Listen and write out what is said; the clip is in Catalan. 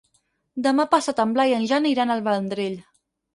Demà passat en Blai i en Jan iran al Vendrell.